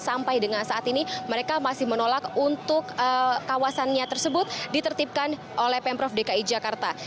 sampai dengan saat ini mereka masih menolak untuk kawasannya tersebut ditertipkan oleh pemprov dki jakarta